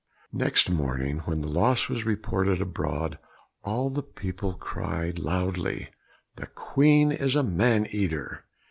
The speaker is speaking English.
Next morning, when the loss was reported abroad, all the people cried loudly, "The Queen is a man eater.